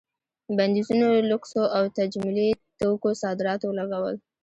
بندیزونو لوکسو او تجملي توکو صادراتو ولګول.